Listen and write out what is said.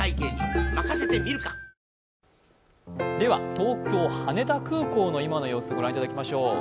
東京・羽田空港の今の様子、御覧いただきましょう。